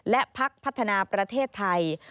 และพักพัฒนาประเทศไทย